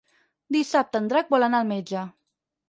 Dissabte en Drac vol anar al metge.